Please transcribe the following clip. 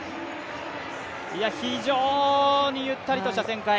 非常にゆったりとした展開。